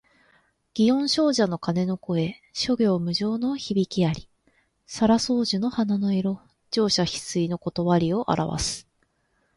祇園精舎の鐘の声、諸行無常の響きあり。沙羅双樹の花の色、盛者必衰の理をあらわす。